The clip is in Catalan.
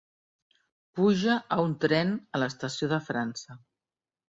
Puja a un tren a l'estació de França.